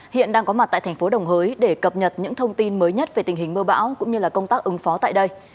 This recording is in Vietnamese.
hiện đang có mặt tại thành phố đồng hới để cập nhật những thông tin mới nhất về tình hình mưa bão cũng như công tác ứng phó tại đây